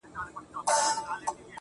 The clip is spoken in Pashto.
هغې دروغجنې چي په مټ کي دی ساتلی زړه